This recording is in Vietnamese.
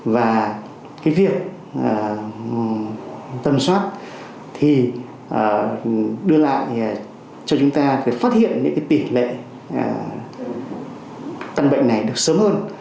và cái việc tầm soát thì đưa lại cho chúng ta phát hiện những cái tỷ lệ căn bệnh này được sớm hơn